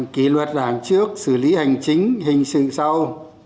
kỷ luật đảng trước xử lý hành chính hình sự sau